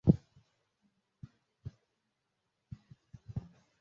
Umugabo munini ufite ishati yumukara hamwe nu icyuya